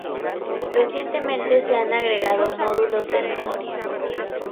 Recientemente se han agregado módulos de memoria.